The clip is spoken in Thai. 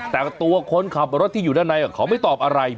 แต่ตัวคนขับรถที่อยู่ด้านในเขาไม่ตอบอะไร